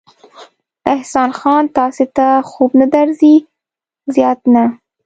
احسان خان، تاسې ته خوب نه درځي؟ زیات نه.